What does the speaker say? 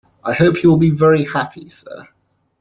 I hope you will be very happy, sir.